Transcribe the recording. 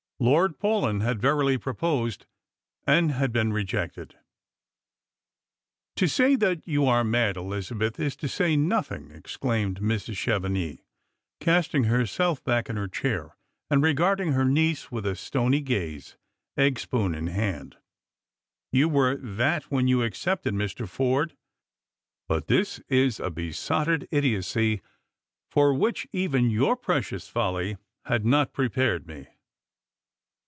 Lord Paulyn had verily proposed, and had been rejected. " To say that you are mad, Elizabeth, is to say nothing," ex claimed Mrs. Chevenix, casting herself back in her chair, and regarding her niece with a stony gaze, egg spoon in hand ; "you were that when you accepted Mr. Forde. But this is a besotted idiotcy for which even your previous folly had not prepared me."